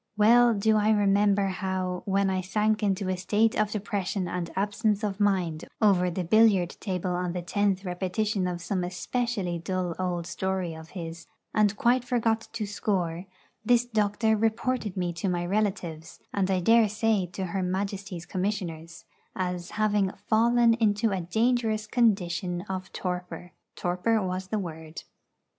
Well do I remember how, when I sank into a state of depression and absence of mind over the billiard table on the tenth repetition of some especially dull old story of his, and quite forgot to score, this doctor reported me to my relatives, and I dare say to her Majesty's Commissioners, as having 'fallen into a dangerous condition of torpor.' Torpor was the word.